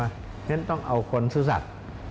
เพราะฉะนั้นต้องเอาคนซื่อสัตว์